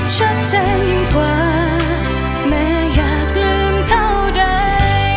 ชัดเจนยังกว่าแม้อยากลืมเท่าไหร่